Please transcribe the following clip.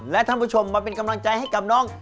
และท่านผู้ชมมาเป็นกำลังใจให้กับน้อง